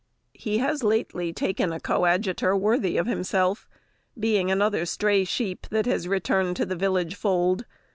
He has lately taken a coadjutor worthy of himself, being another stray sheep that has returned to the village fold.